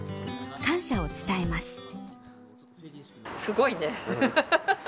感謝を伝えます。